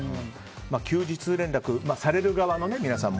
休日連絡される側の皆さん